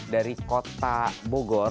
dari kota bogor